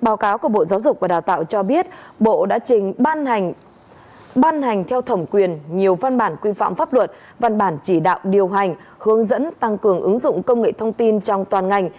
báo cáo của bộ giáo dục và đào tạo cho biết bộ đã trình ban hành theo thẩm quyền nhiều văn bản quy phạm pháp luật văn bản chỉ đạo điều hành hướng dẫn tăng cường ứng dụng công nghệ thông tin trong toàn ngành